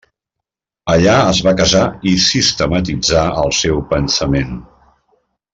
Allà es va casar i sistematitzar el seu pensament.